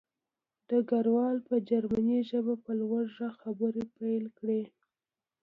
ډګروال په جرمني ژبه په لوړ غږ خبرې پیل کړې